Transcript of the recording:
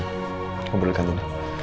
gue beli kantin